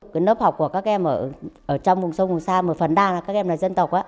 cái lớp học của các em ở trong vùng sâu vùng xa một phần đa là các em là dân tộc á